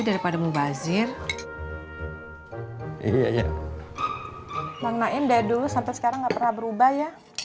daripada mubazir iya bang nain dede dulu sampai sekarang enggak pernah berubah ya